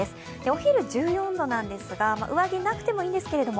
お昼１４度なんですが、上着なくてもいいんですけど